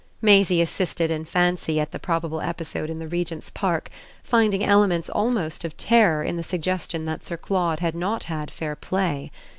Maisie assisted in fancy at the probable episode in the Regent's Park, finding elements almost of terror in the suggestion that Sir Claude had not had fair play.